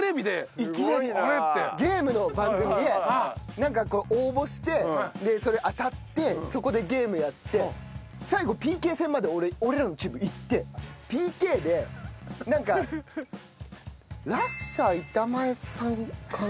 なんか応募してそれ当たってそこでゲームやって最後ＰＫ戦まで俺らのチーム行ってＰＫでなんかラッシャー板前さんかな？